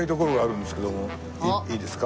いいですか？